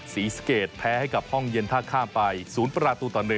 ศรีสะเกดแพ้ให้กับห้องเย็นท่าข้ามไป๐ประตูต่อ๑